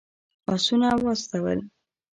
آسونه واستول.